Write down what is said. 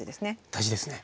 大事ですね。